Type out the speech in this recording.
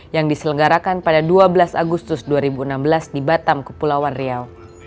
yang diselenggarakan pada dua belas agustus dua ribu enam belas di batam kepulauan riau